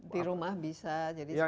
di rumah bisa jadi